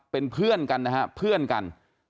เป็นเพื่อนกันนะฮะเพื่อนกัน